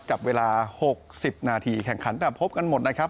กับเวลา๖๐นาทีแข่งขันแบบพบกันหมดนะครับ